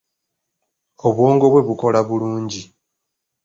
Obwongo bwe bukola bulungi.